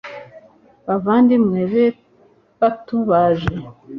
Bavandimwe be bato baje